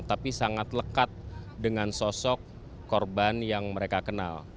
tapi sangat lekat dengan sosok korban yang mereka kenal